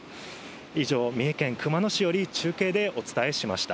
以上、三重県熊野市より中継でお伝えしました。